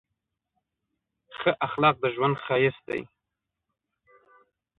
ښه اخلاق د ژوند ښایست دی.